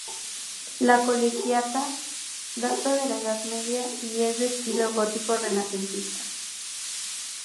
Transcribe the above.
La colegiata data de la Edad Media y es de estilo gótico-renacentista.